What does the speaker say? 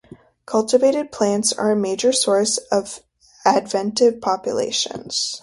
Cultivated plants are a major source of adventive populations.